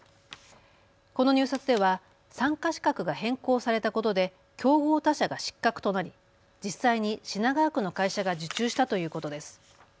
この入札では参加資格が変更されたことで競合他社が失格となり実際に品川区の会社が受注したということです。